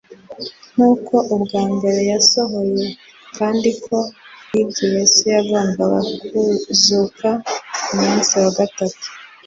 nk'uko uwa mbere wasohoye, kandi ko kubw'ibyo Yesu yagombaga kuzuka ku munsi wa gatatu.